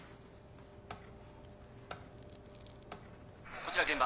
こちら現場。